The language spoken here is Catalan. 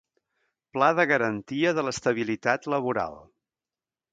Pla de garantia de l'estabilitat laboral.